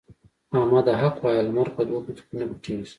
احمده! حق وايه؛ لمر په دوو ګوتو نه پټېږي.